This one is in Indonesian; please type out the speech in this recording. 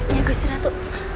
iya gusir atu